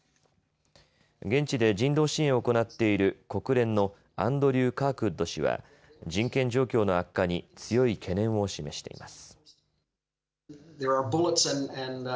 現地で人道支援を行っている国連のアンドリュー・カークウッド氏は人権状況の悪化に強い懸念を示しています。